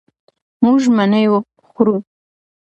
مونږ مڼې خورو.